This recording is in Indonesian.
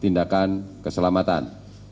dua tindakan keselamatan